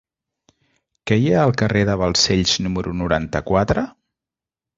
Què hi ha al carrer de Balcells número noranta-quatre?